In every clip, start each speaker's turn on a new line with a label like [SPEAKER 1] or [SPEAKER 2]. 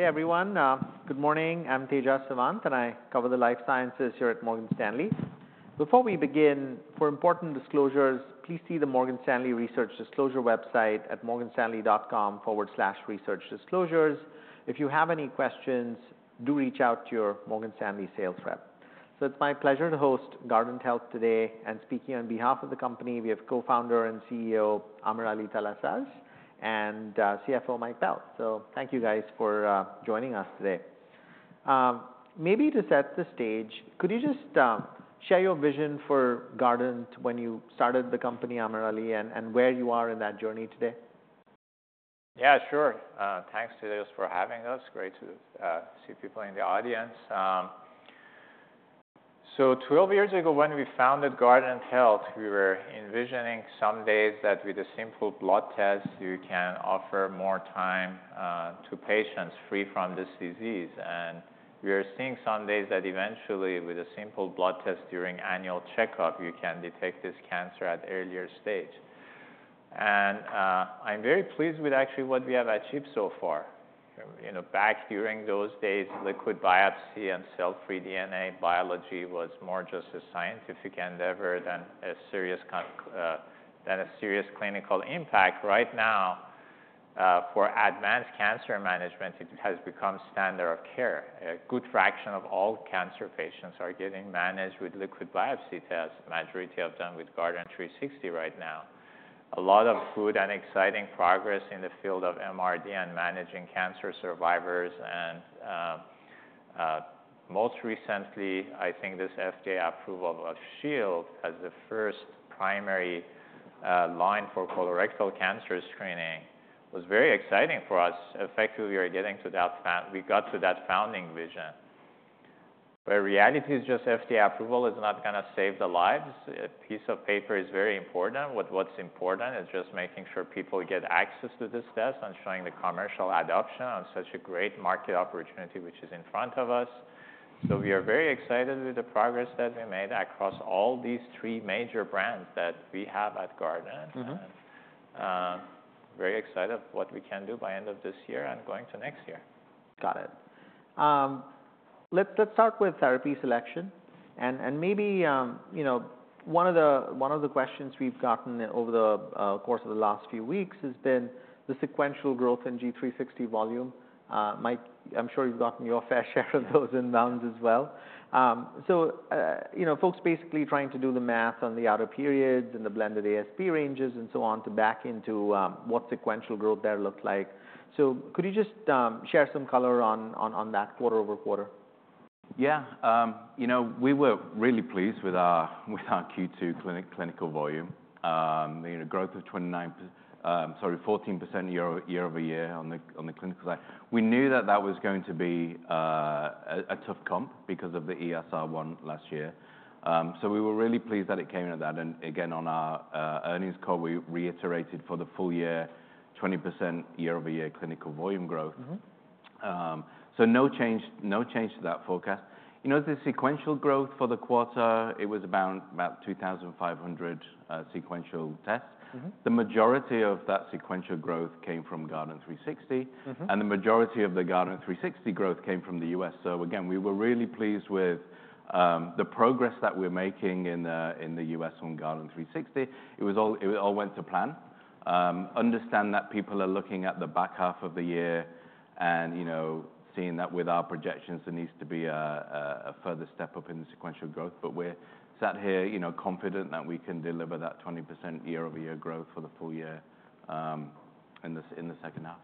[SPEAKER 1] Hey, everyone. Good morning. I'm Tejas Savant, and I cover the life sciences here at Morgan Stanley. Before we begin, for important disclosures, please see the Morgan Stanley Research Disclosure website at morganstanley.com/researchdisclosures. If you have any questions, do reach out to your Morgan Stanley sales rep. It's my pleasure to host Guardant Health today, and speaking on behalf of the company, we have co-founder and CEO AmirAli Talasaz and CFO Mike Bell. Thank you guys for joining us today. Maybe to set the stage, could you just share your vision for Guardant when you started the company, AmirAli, and where you are in that journey today?
[SPEAKER 2] Yeah, sure. Thanks, Tejas, for having us. Great to see people in the audience. So 12 years ago, when we founded Guardant Health, we were envisioning some days that with a simple blood test, you can offer more time to patients free from this disease. And we are seeing some days that eventually, with a simple blood test during annual checkup, you can detect this cancer at earlier stage. And I'm very pleased with actually what we have achieved so far. You know, back during those days, liquid biopsy and cell-free DNA biology was more just a scientific endeavor than a serious clinical impact. Right now, for advanced cancer management, it has become standard of care. A good fraction of all cancer patients are getting managed with liquid biopsy tests. Majority of them with Guardant360 right now. A lot of good and exciting progress in the field of MRD and managing cancer survivors, and most recently, I think this FDA approval of Shield as the first primary line for colorectal cancer screening was very exciting for us. Effectively, we are getting to that founding vision, where reality is just FDA approval is not gonna save the lives. A piece of paper is very important. What's important is just making sure people get access to this test and showing the commercial adoption on such a great market opportunity, which is in front of us. So we are very excited with the progress that we made across all these three major brands that we have at Guardant. And, very excited of what we can do by end of this year and going to next year.
[SPEAKER 1] Got it. Let's start with therapy selection and maybe, you know, one of the questions we've gotten over the course of the last few weeks has been the sequential growth in Guardant360 volume. Mike, I'm sure you've gotten your fair share of those inbounds as well. So, you know, folks basically trying to do the math on the outer periods and the blended ASP ranges and so on, to back into what sequential growth there looked like. So could you just share some color on that quarter over quarter?
[SPEAKER 3] Yeah. You know, we were really pleased with our, with our Q2 clinical volume. You know, growth of 29%, sorry, 14% year-over-year on the, on the clinical side. We knew that that was going to be, a, a tough comp because of the ESR1 last year. So we were really pleased that it came in at that. And again, on our, earnings call, we reiterated for the full year, 20% year-over-year clinical volume growth. So no change, no change to that forecast. You know, the sequential growth for the quarter, it was about 2500 sequential tests. The majority of that sequential growth came from Guardant360 and the majority of the Guardant360 growth came from the US. So again, we were really pleased with the progress that we're making in the US on Guardant360. It all went to plan. Understand that people are looking at the back half of the year and, you know, seeing that with our projections, there needs to be a further step up in the sequential growth. But we're sat here, you know, confident that we can deliver that 20% year-over-year growth for the full year in the second half.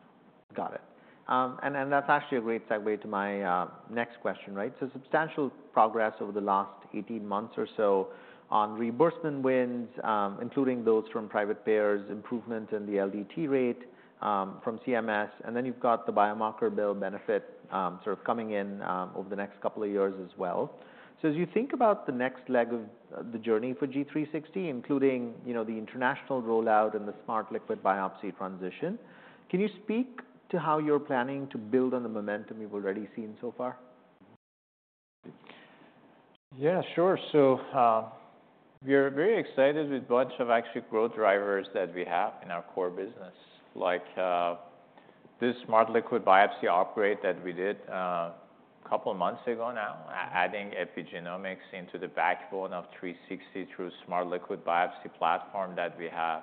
[SPEAKER 1] Got it. And then that's actually a great segue to my next question, right? So substantial progress over the last 18 months or so on reimbursement wins, including those from private payers, improvement in the LDT rate from CMS, and then you've got the biomarker billing benefit sort of coming in over the next couple of years as well. So as you think about the next leg of the journey for Guardant360, including, you know, the international rollout and the Smart Liquid Biopsy transition, can you speak to how you're planning to build on the momentum you've already seen so far?
[SPEAKER 2] Yeah, sure. So, we're very excited with a bunch of actually growth drivers that we have in our core business. Like, this Smart Liquid Biopsy update that we did, a couple of months ago now, adding epigenomics into the backbone of Guardant360 through Smart Liquid Biopsy platform that we have.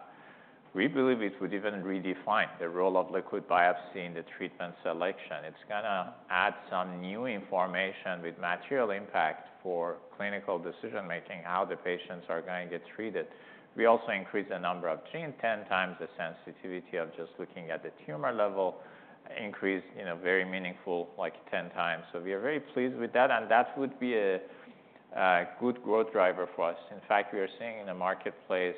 [SPEAKER 2] We believe it would even redefine the role of liquid biopsy in the treatment selection. It's gonna add some new information with material impact for clinical decision-making, how the patients are gonna get treated. We also increased the number of genes 10 times the sensitivity of just looking at the tumor level, you know, very meaningful, like, 10 times. So we are very pleased with that, and that would be a good growth driver for us. In fact, we are seeing in the marketplace,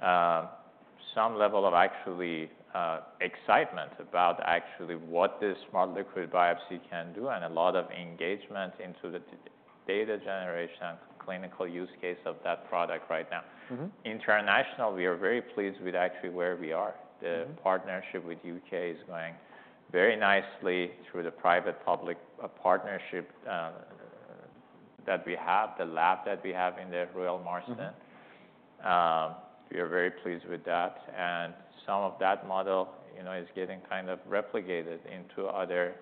[SPEAKER 2] some level of actually, excitement about actually what this smart liquid biopsy can do, and a lot of engagement into the data generation and clinical use case of that product right now. International, we are very pleased with actually where we are. The partnership with the U.K. is going very nicely through the private-public partnership that we have, the lab that we have in the Royal Marsden. We are very pleased with that, and some of that model, you know, is getting kind of replicated into other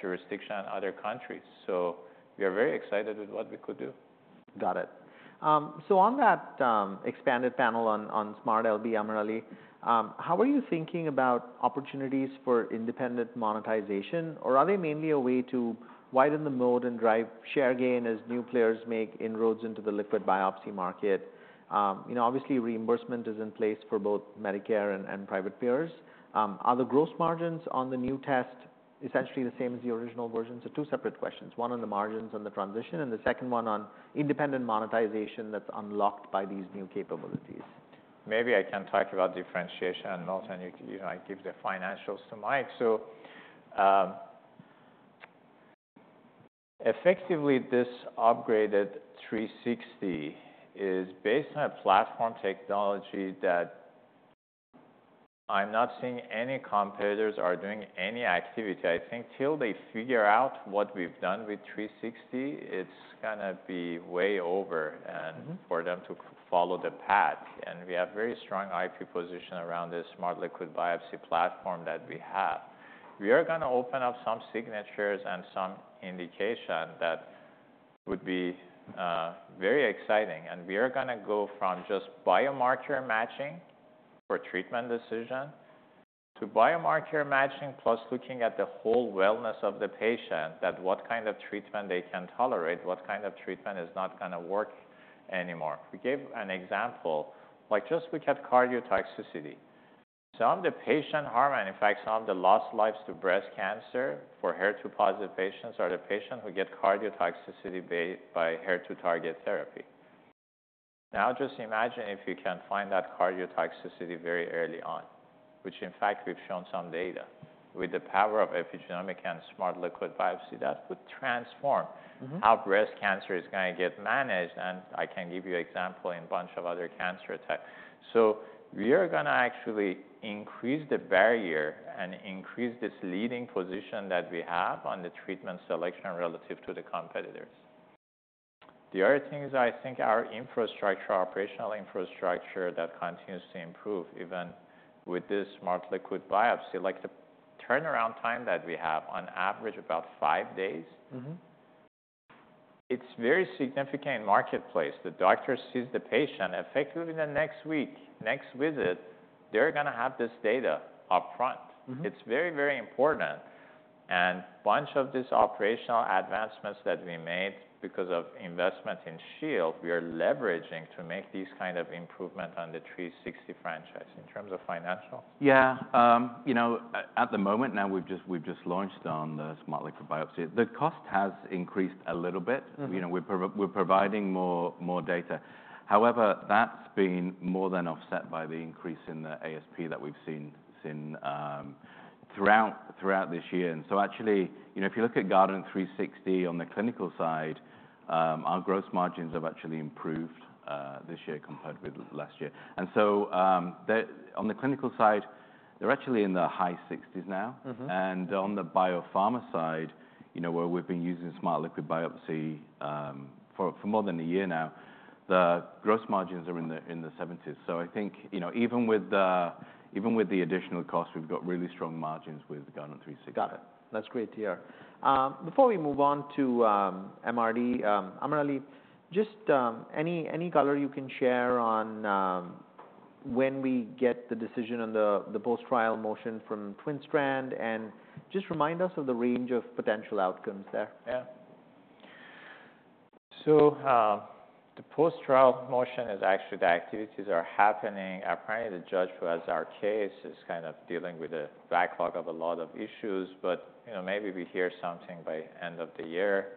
[SPEAKER 2] jurisdiction and other countries, so we are very excited with what we could do.
[SPEAKER 1] Got it. So on that expanded panel on Smart LB, AmirAli, how are you thinking about opportunities for independent monetization? Or are they mainly a way to widen the moat and drive share gain as new players make inroads into the liquid biopsy market? You know, obviously reimbursement is in place for both Medicare and private payers. Are the gross margins on the new test essentially the same as the original versions? So two separate questions, one on the margins on the transition, and the second one on independent monetization that's unlocked by these new capabilities.
[SPEAKER 2] Maybe I can talk about differentiation, and also, you know, I give the financials to Mike.
[SPEAKER 3] Effectively, this upgraded 360 is based on a platform technology that I'm not seeing any competitors are doing any activity. I think till they figure out what we've done with 360, it's gonna be way over and for them to follow the path. And we have very strong IP position around this Smart Liquid Biopsy platform that we have. We are gonna open up some signatures and some indication that would be very exciting, and we are gonna go from just biomarker matching for treatment decision to biomarker matching, plus looking at the whole wellness of the patient, that what kind of treatment they can tolerate, what kind of treatment is not gonna work anymore. We gave an example, like just look at cardiotoxicity. Some of the patient harm, and in fact, some of the lost lives to breast cancer for HER2-positive patients are the patients who get cardiotoxicity by HER2-targeted therapy. Now, just imagine if you can find that cardiotoxicity very early on, which in fact, we've shown some data. With the power of epigenomic and smart liquid biopsy, that would transform how breast cancer is gonna get managed, and I can give you example in bunch of other cancer type. So we are gonna actually increase the barrier and increase this leading position that we have on the treatment selection relative to the competitors. The other thing is, I think our infrastructure, operational infrastructure, that continues to improve even with this Smart Liquid Biopsy. Like, the turnaround time that we have, on average, about five days. It's very significant in marketplace. The doctor sees the patient, effectively the next week, next visit, they're gonna have this data upfront. It's very, very important. A bunch of these operational advancements that we made because of investment in Shield, we are leveraging to make these kind of improvement on the 360 franchise. In terms of financial? Yeah. You know, at the moment now, we've just launched on the Smart Liquid Biopsy. The cost has increased a little bit. You know, we're providing more data. However, that's been more than offset by the increase in the ASP that we've seen since throughout this year. And so actually, you know, if you look at Guardant360 on the clinical side, our gross margins have actually improved this year compared with last year. And so, on the clinical side, they're actually in the high 60s now. And on the biopharma side, you know, where we've been using Smart Liquid Biopsy for more than a year now, the gross margins are in the 70s. So I think, you know, even with the additional cost, we've got really strong margins with Guardant360.
[SPEAKER 1] Got it. That's great to hear. Before we move on to MRD, AmirAli, just any color you can share on when we get the decision on the post-trial motion from TwinStrand, and just remind us of the range of potential outcomes there?
[SPEAKER 2] Yeah. So, the post-trial motion is actually, the activities are happening. Apparently, the judge who has our case is kind of dealing with a backlog of a lot of issues, but, you know, maybe we hear something by end of the year.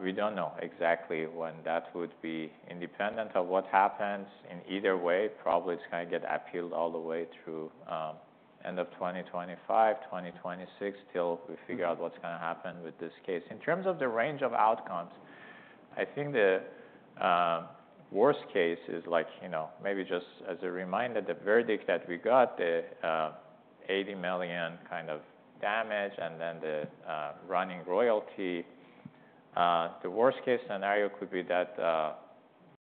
[SPEAKER 2] We don't know exactly when that would be. Independent of what happens, in either way, probably it's gonna get appealed all the way through, end of 2025, 2026, till we figure out what's gonna happen with this case. In terms of the range of outcomes, I think the worst case is like, you know, maybe just as a reminder, the verdict that we got, the $80 million kind of damages and then the running royalty, the worst-case scenario could be that,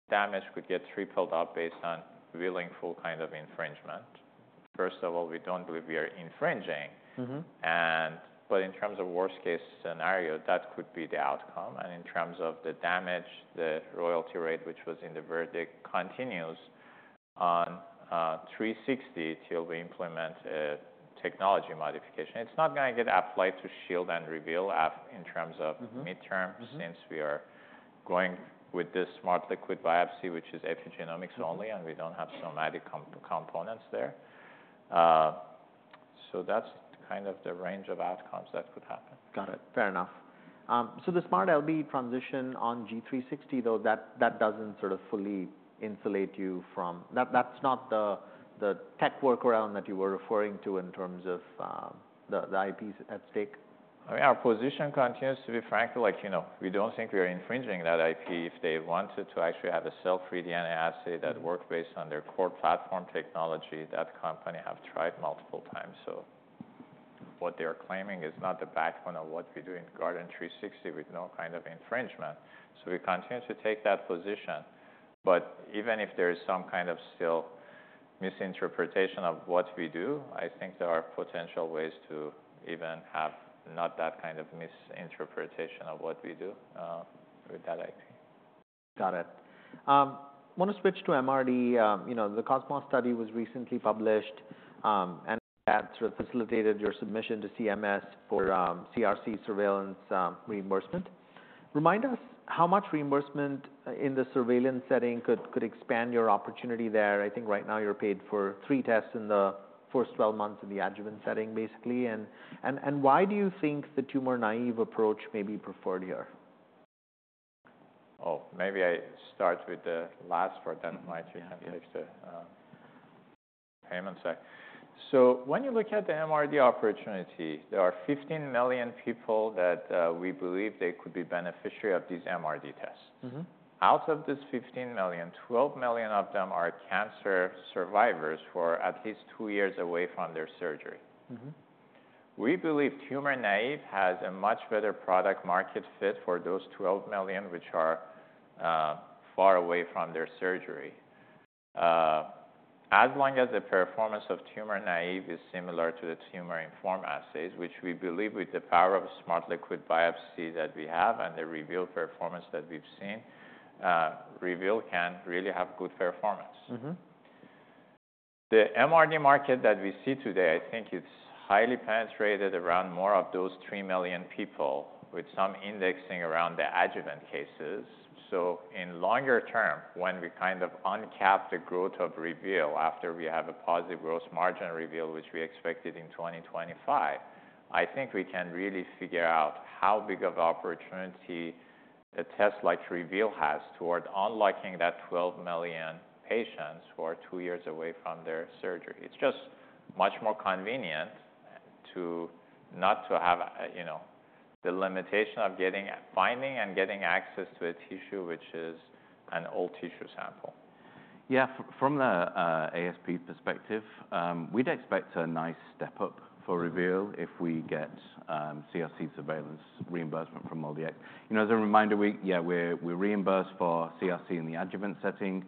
[SPEAKER 2] damages could get tripled up based on willful kind of infringement. First of all, we don't believe we are infringing. In terms of worst-case scenario, that could be the outcome. In terms of the damage, the royalty rate, which was in the verdict, continues on 360 till we implement a technology modification. It's not gonna get applied to Shield and Reveal af- in terms of midterm, since we are going with this smart liquid biopsy, which is epigenomics only, and we don't have somatic components there. So that's kind of the range of outcomes that could happen.
[SPEAKER 1] Got it. Fair enough. So the smart LB transition on Guardant360, though, that doesn't sort of fully insulate you from... That's not the tech workaround that you were referring to in terms of the IPs at stake?
[SPEAKER 2] Our position continues to be frank, like, you know, we don't think we are infringing that IP. If they wanted to actually have a cell-free DNA assay that worked based on their core platform technology, that company have tried multiple times, what they are claiming is not the backbone of what we do in Guardant360 with no kind of infringement. So we continue to take that position. But even if there is some kind of still misinterpretation of what we do, I think there are potential ways to even have not that kind of misinterpretation of what we do with that IP.
[SPEAKER 1] Got it. I want to switch to MRD. You know, the COSMOS study was recently published, and that sort of facilitated your submission to CMS for CRC surveillance reimbursement. Remind us how much reimbursement in the surveillance setting could expand your opportunity there? I think right now you're paid for three tests in the first 12 months in the adjuvant setting, basically. Why do you think the tumor-naive approach may be preferred here?
[SPEAKER 2] Oh, maybe I start with the last part, then might we have next to payment side. So when you look at the MRD opportunity, there are 15 million people that we believe they could be beneficiary of these MRD tests. Out of this 15 million, 12 million of them are cancer survivors who are at least two years away from their surgery. We believe tumor-naive has a much better product market fit for those 12 million, which are far away from their surgery. As long as the performance of tumor-naive is similar to the tumor-informed assays, which we believe with the power of Smart Liquid Biopsy that we have and the Reveal performance that we've seen, Reveal can really have good performance. The MRD market that we see today, I think it's highly penetrated around more of those three million people, with some indexing around the adjuvant cases. So in the long term, when we kind of uncap the growth of Reveal, after we have a positive gross margin Reveal, which we expected in 2025, I think we can really figure out how big of an opportunity a test like Reveal has toward unlocking that 12 million patients who are two years away from their surgery. It's just much more convenient to not to have, you know, the limitation of getting, finding and getting access to a tissue, which is an old tissue sample.
[SPEAKER 3] Yeah, from the ASP perspective, we'd expect a nice step-up for Reveal if we get CRC surveillance reimbursement from Medicare. You know, as a reminder, we're reimbursed for CRC in the adjuvant setting.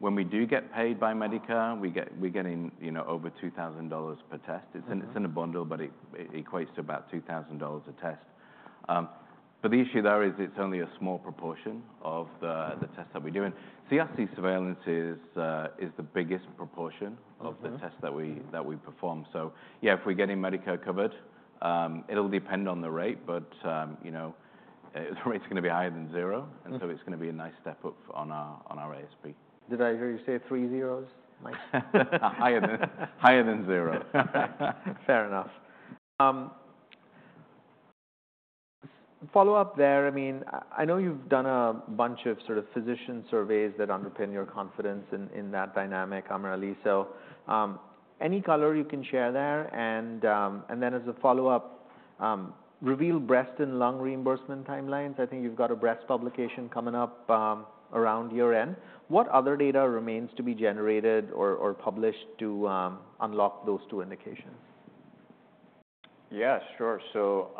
[SPEAKER 3] When we do get paid by Medicare, we're getting, you know, over $2,000 per test. It's in a bundle, but it equates to about $2,000 a test. But the issue there is it's only a small proportion of the tests that we're doing. CRC surveillance is the biggest proportion of the tests that we perform. So yeah, if we're getting Medicare covered, it'll depend on the rate, but, you know, the rate is going to be higher than zero and so it's going to be a nice step up on our ASP.
[SPEAKER 1] Did I hear you say three zeros?
[SPEAKER 3] Higher than zero.
[SPEAKER 1] Fair enough. Follow up there, I mean, I know you've done a bunch of sort of physician surveys that underpin your confidence in, in that dynamic, AmirAli, so, any color you can share there? And then as a follow-up, Reveal breast and lung reimbursement timelines, I think you've got a breast publication coming up, around year-end. What other data remains to be generated or published to, unlock those two indications?
[SPEAKER 2] Yeah, sure. So,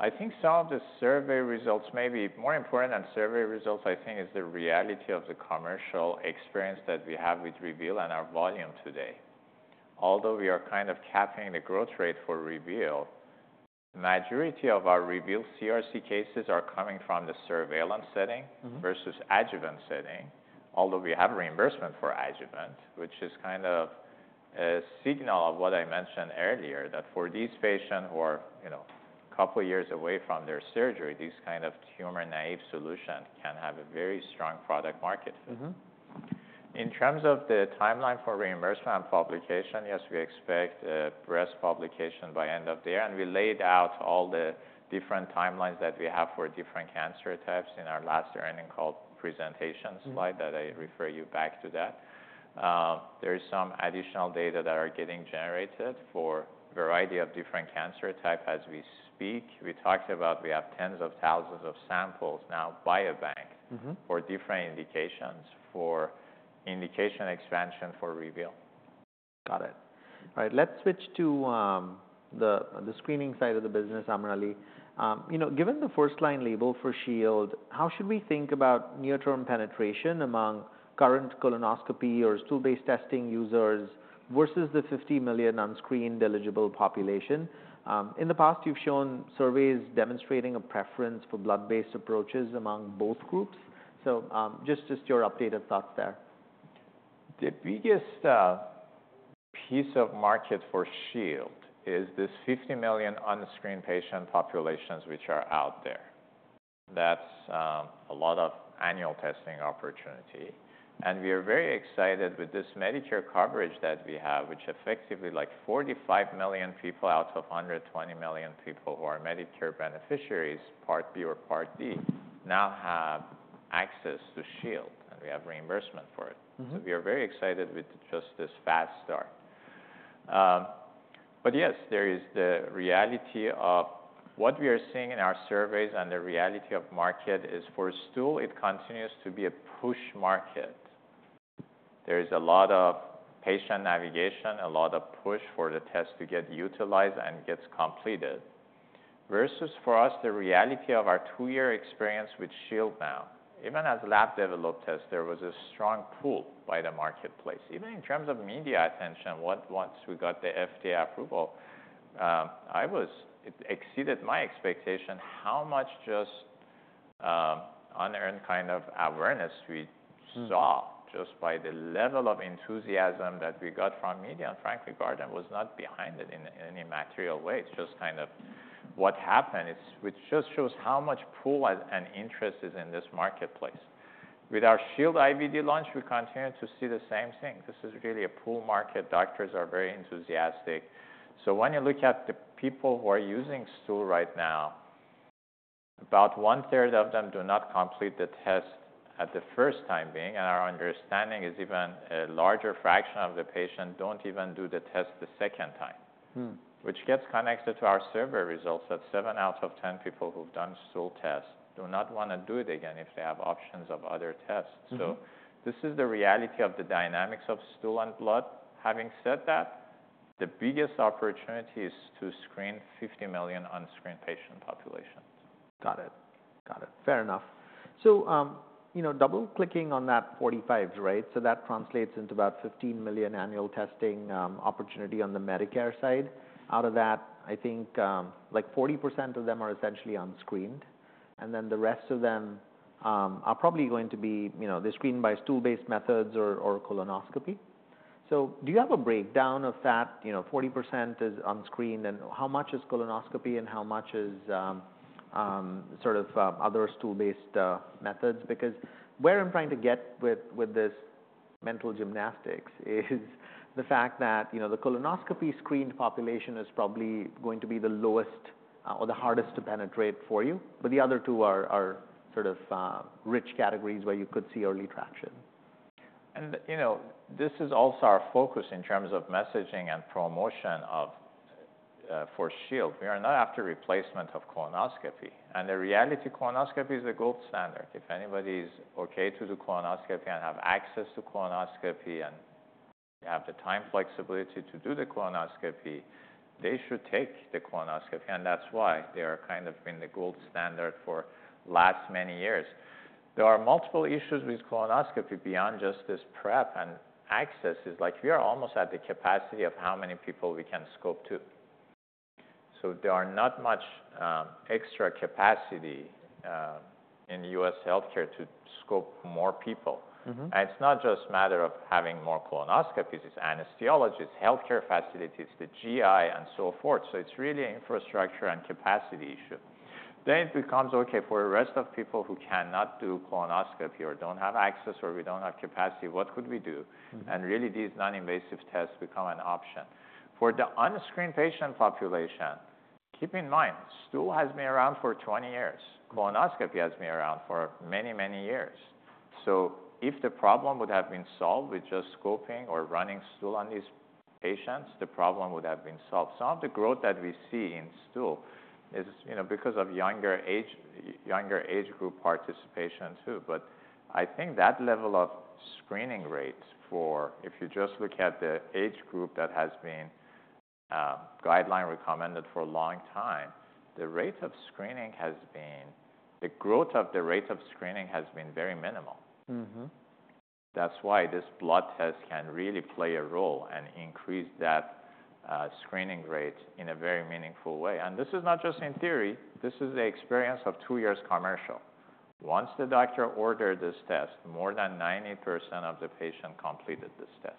[SPEAKER 2] I think some of the survey results may be more important than survey results. I think is the reality of the commercial experience that we have with Reveal and our volume today. Although we are kind of capping the growth rate for Reveal, majority of our Reveal CRC cases are coming from the surveillance setting versus adjuvant setting, although we have reimbursement for adjuvant, which is kind of a signal of what I mentioned earlier, that for these patients who are, you know, a couple of years away from their surgery, this kind of tumor-naive solution can have a very strong product market fit. In terms of the timeline for reimbursement and publication, yes, we expect a breast publication by end of the year, and we laid out all the different timelines that we have for different cancer types in our last earnings call presentation slide, that I refer you back to that. There is some additional data that are getting generated for a variety of different cancer type as we speak. We talked about we have tens of thousands of samples now biobank for different indications, for indication expansion for Reveal.
[SPEAKER 1] Got it. All right, let's switch to the screening side of the business, AmirAli. You know, given the first line label for Shield, how should we think about near-term penetration among current colonoscopy or stool-based testing users versus the 50 million unscreened eligible population? In the past, you've shown surveys demonstrating a preference for blood-based approaches among both groups. So, just your updated thoughts there.
[SPEAKER 2] The biggest piece of market for Shield is this 50 million unscreened patient populations which are out there. That's a lot of annual testing opportunity. And we are very excited with this Medicare coverage that we have, which effectively, like, 45 million people out of 120 million people who are Medicare beneficiaries, Part B or Part D, now have access to Shield, and we have reimbursement for it. So we are very excited with just this fast start. But yes, there is the reality of what we are seeing in our surveys, and the reality of market is, for stool, it continues to be a push market. There is a lot of patient navigation, a lot of push for the test to get utilized and gets completed. Versus for us, the reality of our two-year experience with Shield now, even as a lab-developed test, there was a strong pull by the marketplace. Even in terms of media attention, once we got the FDA approval, it exceeded my expectation, how much just unearned kind of awareness we saw just by the level of enthusiasm that we got from media, and frankly, Guardant was not behind it in any material way. It's just kind of what happened. It's which just shows how much pull and interest is in this marketplace. With our Shield IVD launch, we continue to see the same thing. This is really a pull market. Doctors are very enthusiastic. So when you look at the people who are using stool right now, about 1/3 of them do not complete the test at the first time being, and our understanding is even a larger fraction of the patient don't even do the test the second time. Which gets connected to our survey results, that seven out of 10 people who've done stool tests do not wanna do it again if they have options of other tests. So this is the reality of the dynamics of stool and blood. Having said that, the biggest opportunity is to screen 50 million unscreened patient populations.
[SPEAKER 1] Got it. Got it. Fair enough. So, you know, double-clicking on that 45s, right? So that translates into about 15 million annual testing opportunity on the Medicare side. Out of that, I think, like, 40% of them are essentially unscreened, and then the rest of them are probably going to be, you know, they're screened by stool-based methods or colonoscopy. So do you have a breakdown of that? You know, 40% is unscreened, and how much is colonoscopy, and how much is sort of other stool-based methods? Because where I'm trying to get with this mental gymnastics is the fact that, you know, the colonoscopy screened population is probably going to be the lowest or the hardest to penetrate for you, but the other two are sort of rich categories where you could see early traction.
[SPEAKER 2] You know, this is also our focus in terms of messaging and promotion of for Shield. We are not after replacement of colonoscopy, and the reality, colonoscopy is a gold standard. If anybody is okay to do colonoscopy and have access to colonoscopy and have the time flexibility to do the colonoscopy, they should take the colonoscopy, and that's why they are kind of been the gold standard for last many years. There are multiple issues with colonoscopy beyond just this prep, and access is like, we are almost at the capacity of how many people we can scope to. So there are not much extra capacity in U.S. healthcare to scope more people. And it's not just a matter of having more colonoscopists, it's anesthesiologists, healthcare facilities, the GI, and so forth. So it's really infrastructure and capacity issue. Then it becomes, okay, for the rest of people who cannot do colonoscopy or don't have access, or we don't have capacity, what could we do? And really, these non-invasive tests become an option. For the unscreened patient population, keep in mind, stool has been around for 20 years. Colonoscopy has been around for many, many years. So if the problem would have been solved with just scoping or running stool on these patients, the problem would have been solved. Some of the growth that we see in stool is, you know, because of younger age group participation, too. But I think that level of screening rates for. If you just look at the age group that has been guideline recommended for a long time, the growth of the rate of screening has been very minimal. That's why this blood test can really play a role and increase that screening rate in a very meaningful way, and this is not just in theory, this is the experience of two years commercial. Once the doctor ordered this test, more than 90% of the patient completed this test.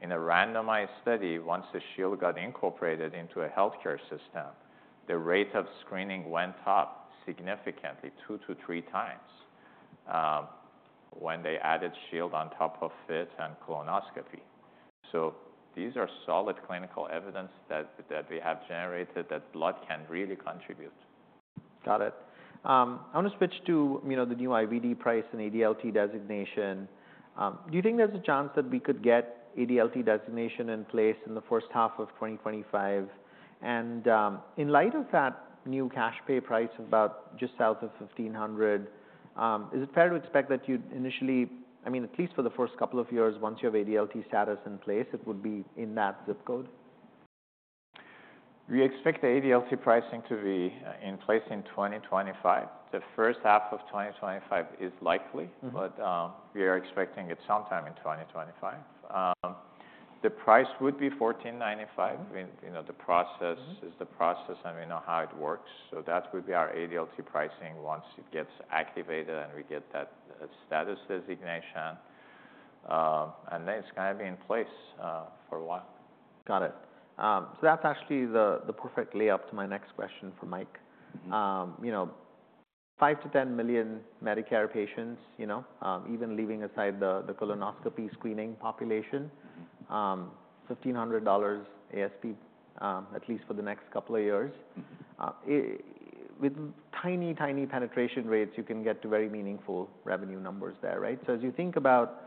[SPEAKER 2] In a randomized study, once the Shield got incorporated into a healthcare system, the rate of screening went up significantly, two to three times, when they added Shield on top of FIT and colonoscopy. So these are solid clinical evidence that we have generated, that blood can really contribute.
[SPEAKER 1] Got it. I want to switch to, you know, the new IVD price and ADLT designation. Do you think there's a chance that we could get ADLT designation in place in the first half of 2025? And, in light of that new cash pay price, about just south of $1,500, is it fair to expect that you'd initially... I mean, at least for the first couple of years, once you have ADLT status in place, it would be in that zip code?
[SPEAKER 2] We expect the ADLT pricing to be in place in 2025. The first half of 2025 is likely. But, we are expecting it sometime in 2025. The price would be $14.95. I mean, you know, the process is the process, and we know how it works. So that would be our ADLT pricing once it gets activated, and we get that status designation. And then it's gonna be in place for a while.
[SPEAKER 1] Got it. So that's actually the perfect lead-up to my next question for Mike. You know, five to 10 million Medicare patients, you know, even leaving aside the colonoscopy screening population. $1,500 ASP, at least for the next couple of years. With tiny, tiny penetration rates, you can get to very meaningful revenue numbers there, right? So as you think about,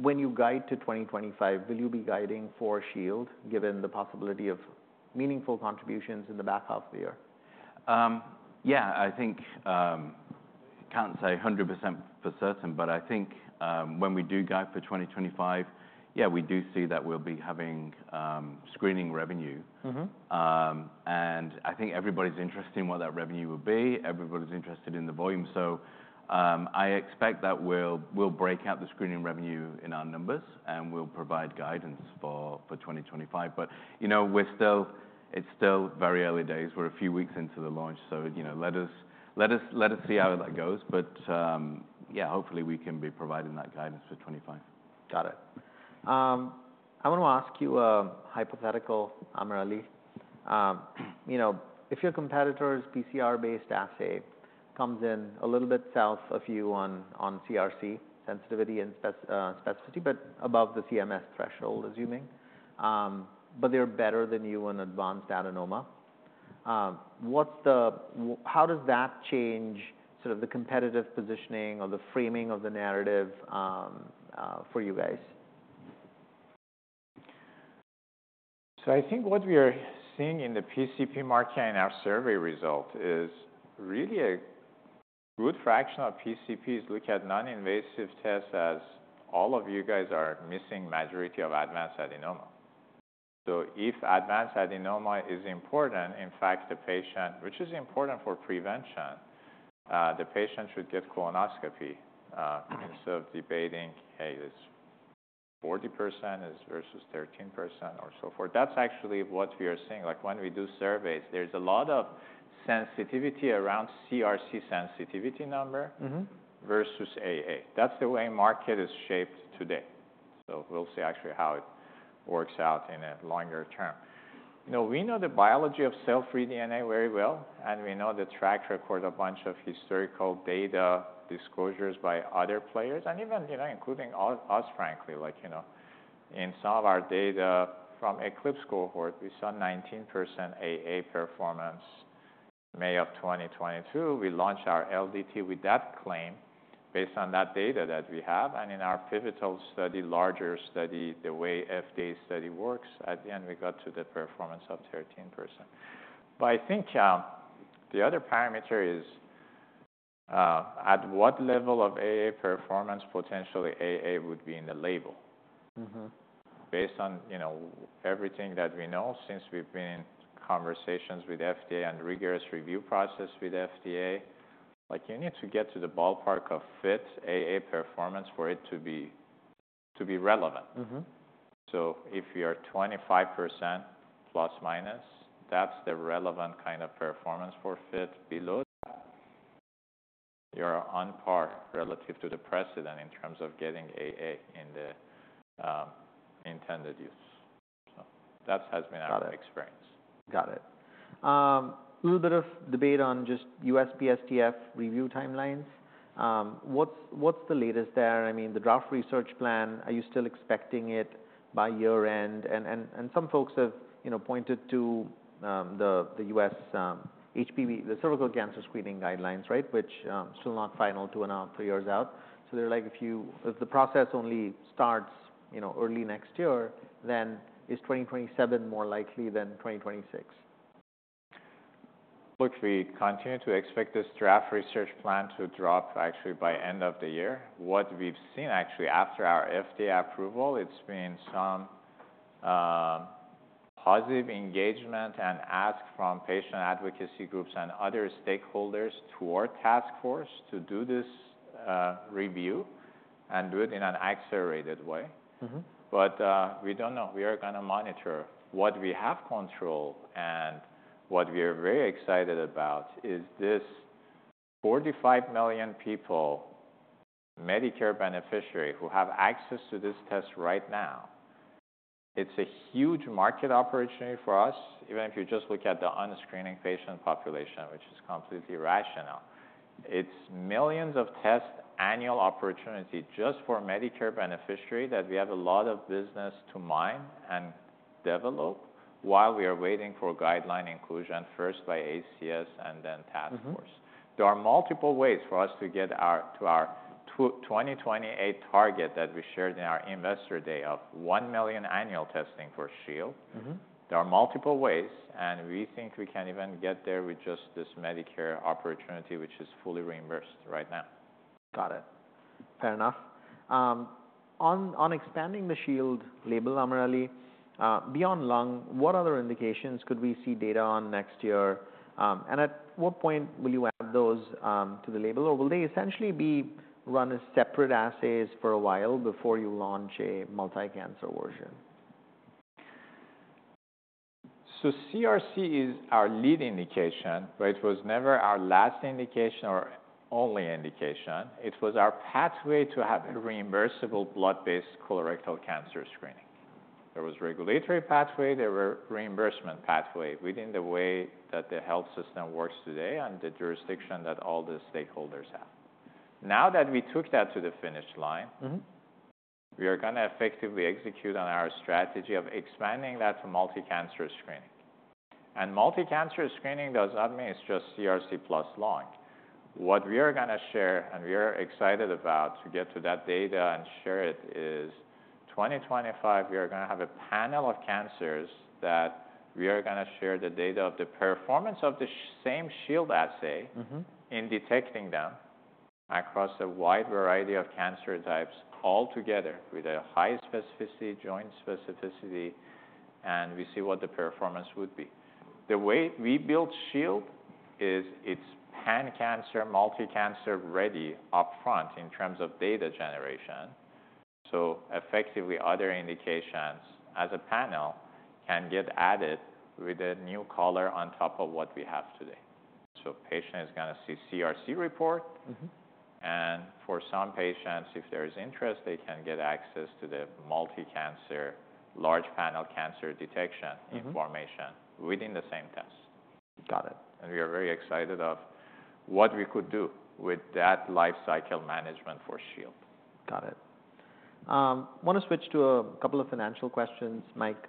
[SPEAKER 1] when you guide to 2025, will you be guiding for Shield, given the possibility of meaningful contributions in the back half of the year?
[SPEAKER 3] Yeah, I think, can't say 100% for certain, but I think, when we do guide for 2025, yeah, we do see that we'll be having screening revenue. And I think everybody's interested in what that revenue will be. Everybody's interested in the volume. So, I expect that we'll break out the screening revenue in our numbers, and we'll provide guidance for 2025. But, you know, we're still. It's still very early days. We're a few weeks into the launch, so, you know, let us see how that goes. But, yeah, hopefully we can be providing that guidance for 2025.
[SPEAKER 1] Got it. I want to ask you a hypothetical, AmirAli. You know, if your competitor's PCR-based assay comes in a little bit south of you on CRC sensitivity and specificity, but above the CMS threshold, but they're better than you on advanced adenoma. How does that change sort of the competitive positioning or the framing of the narrative, for you guys?
[SPEAKER 2] So I think what we are seeing in the PCP market in our survey result is really a good fraction of PCPs look at non-invasive tests, as all of you guys are missing majority of advanced adenoma. So if advanced adenoma is important, in fact, which is important for prevention, the patient should get colonoscopy, instead of debating, hey, it's 40% versus 13% or so forth. That's actually what we are seeing. Like, when we do surveys, there's a lot of sensitivity around CRC sensitivity number versus AA. That's the way market is shaped today, so we'll see actually how it works out in a longer term. You know, we know the biology of cell-free DNA very well, and we know the track record, a bunch of historical data disclosures by other players, and even, you know, including us, frankly, like, you know. In some of our data from ECLIPSE cohort, we saw 19% AA performance. May of 2022, we launched our LDT with that claim based on that data that we have. And in our pivotal study, larger study, the way FDA study works, at the end, we got to the performance of 13%. But I think, the other parameter is, at what level of AA performance, potentially AA would be in the label. Based on, you know, everything that we know since we've been in conversations with FDA and rigorous review process with FDA, like, you need to get to the ballpark of FIT AA performance for it to be relevant So if you are 25% plus, minus, that's the relevant kind of performance for FIT. Below that, you're on par relative to the precedent in terms of getting AA in the intended use. So that has been our expense.
[SPEAKER 1] Got it. A little bit of debate on just USPSTF review timelines. What's the latest there? I mean, the draft research plan, are you still expecting it by year-end? And some folks have, you know, pointed to the U.S. HPV, the cervical cancer screening guidelines, right? Which still not final, two and a half, three years out. So they're like, if the process only starts, you know, early next year, then is 2027 more likely than 2026?
[SPEAKER 2] Which we continue to expect this draft research plan to drop actually by end of the year. What we've seen, actually, after our FDA approval, it's been some positive engagement and ask from patient advocacy groups and other stakeholders to our task force to do this review and do it in an accelerated way. We don't know. We are gonna monitor. What we have control and what we are very excited about is this 45 million people, Medicare beneficiary, who have access to this test right now. It's a huge market opportunity for us, even if you just look at the unscreened patient population, which is completely rational. It's millions of tests, annual opportunity just for Medicare beneficiary, that we have a lot of business to mine and develop while we are waiting for guideline inclusion, first by ACS and then task force. There are multiple ways for us to get to our 2028 target that we shared in our investor day of 1 million annual testing for Shield. There are multiple ways, and we think we can even get there with just this Medicare opportunity, which is fully reimbursed right now.
[SPEAKER 1] Got it. Fair enough. On expanding the Shield label, AmirAli, beyond lung, what other indications could we see data on next year? And at what point will you add those to the label, or will they essentially be run as separate assays for a while before you launch a multi-cancer version?
[SPEAKER 2] So CRC is our lead indication, but it was never our last indication or only indication. It was our pathway to have a reimbursable blood-based colorectal cancer screening. There was regulatory pathway, there were reimbursement pathway within the way that the health system works today and the jurisdiction that all the stakeholders have. Now that we took that to the finish line we are gonna effectively execute on our strategy of expanding that to multi-cancer screening. And multi-cancer screening does not mean it's just CRC plus lung. What we are gonna share, and we are excited about to get to that data and share it, is 2025, we are gonna have a panel of cancers that we are gonna share the data of the performance of the same Shield assay in detecting them across a wide variety of cancer types all together with a high specificity, joint specificity, and we see what the performance would be. The way we built Shield is it's pan-cancer, multi-cancer, ready upfront in terms of data generation. So effectively, other indications as a panel can get added with a new color on top of what we have today. So patient is gonna see CRC report. And for some patients, if there is interest, they can get access to the multi-cancer, large panel cancer detection information within the same test.
[SPEAKER 1] Got it.
[SPEAKER 2] We are very excited of what we could do with that lifecycle management for Shield.
[SPEAKER 1] Got it. I wanna switch to a couple of financial questions, Mike.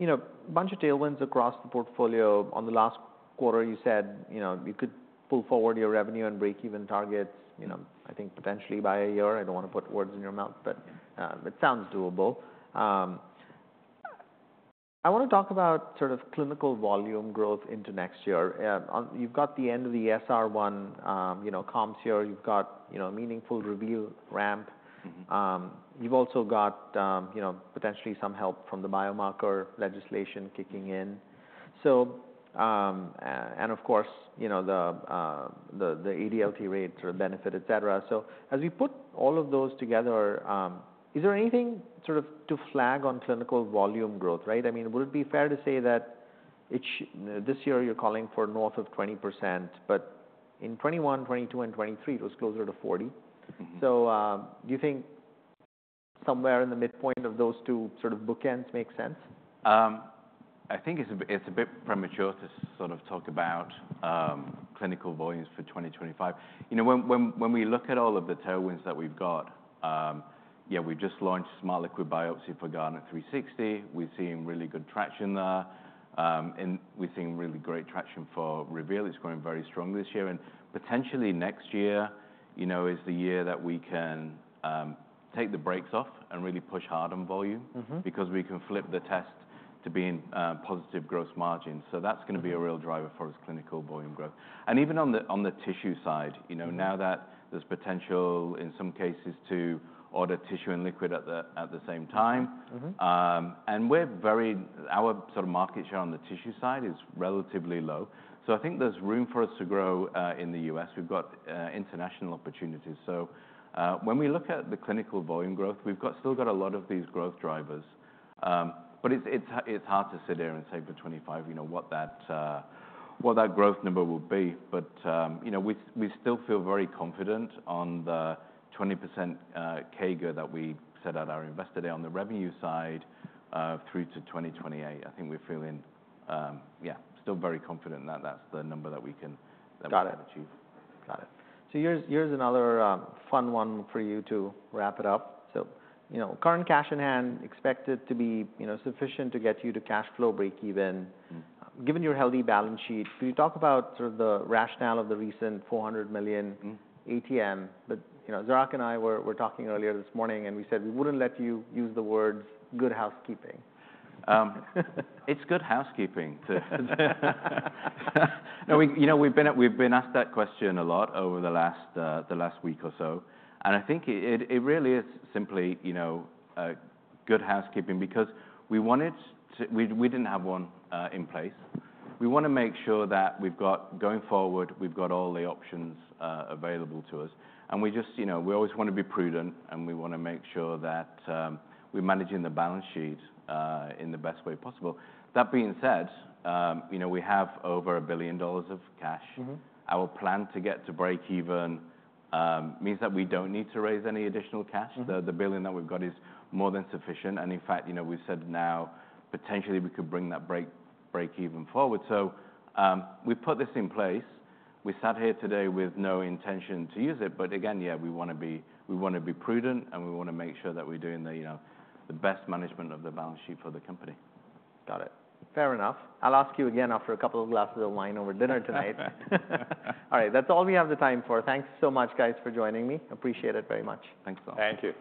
[SPEAKER 1] You know, a bunch of tailwinds across the portfolio. On the last quarter, you said, you know, you could pull forward your revenue and break even targets, you know, I think potentially by a year. I don't want to put words in your mouth, but yeah it sounds doable. I wanna talk about sort of clinical volume growth into next year. On, you've got the end of the ESR1, you know, comps here. You've got, you know, meaningful review ramp. You've also got, you know, potentially some help from the biomarker legislation kicking in. So, and of course, you know, the ADLT rate or benefit, et cetera. So as we put all of those together, is there anything sort of to flag on clinical volume growth, right? I mean, would it be fair to say that it this year you're calling for north of 20%, but in 2021, 2022, and 2023, it was closer to 40%. So, do you think somewhere in the midpoint of those two sort of bookends make sense?
[SPEAKER 3] I think it's a bit premature to sort of talk about clinical volumes for 2025. You know, when we look at all of the tailwinds that we've got. Yeah, we've just launched Smart Liquid Biopsy for Guardant360. We've seen really good traction there. And we've seen really great traction for Reveal. It's growing very strongly this year, and potentially next year, you know, is the year that we can take the brakes off and really push hard on volume because we can flip the test to be in positive gross margin. So that's gonna be a real driver for us, clinical volume growth. And even on the tissue side, you know now that there's potential, in some cases, to order tissue and liquid at the same time and our sort of market share on the tissue side is relatively low, so I think there's room for us to grow in the U.S. We've got international opportunities. So when we look at the clinical volume growth, we've still got a lot of these growth drivers. But it's hard to sit here and say for 2025, you know, what that growth number will be. But you know, we still feel very confident on the 20% CAGR that we set at our Investor Day on the revenue side through to 2028. I think we're feeling yeah, still very confident that that's the number that we can achieve.
[SPEAKER 1] Got it. So here's another fun one for you to wrap it up. So, you know, current cash on hand expected to be, you know, sufficient to get you to cash flow breakeven. Given your healthy balance sheet, can you talk about sort of the rationale of the recent $400 million ATM? But, you know, Zarak and I were talking earlier this morning, and we said we wouldn't let you use the words good housekeeping.
[SPEAKER 3] It's good housekeeping. You know, we've been asked that question a lot over the last week or so, and I think it really is simply, you know, a good housekeeping because we wanted to. We didn't have one in place. We wanna make sure that going forward, we've got all the options available to us, and we just, you know, we always wanna be prudent, and we wanna make sure that we're managing the balance sheet in the best way possible. That being said, you know, we have over $1 billion of cash. Our plan to get to breakeven means that we don't need to raise any additional cash The billion that we've got is more than sufficient, and in fact, you know, we've said now, potentially we could bring that breakeven forward. So, we've put this in place. We sat here today with no intention to use it, but again, yeah, we wanna be prudent, and we wanna make sure that we're doing the, you know, the best management of the balance sheet for the company.
[SPEAKER 1] Got it. Fair enough. I'll ask you again after a couple of glasses of wine over dinner tonight. All right. That's all we have the time for. Thanks so much, guys, for joining me. Appreciate it very much.
[SPEAKER 3] Thanks a lot.
[SPEAKER 2] Thank you.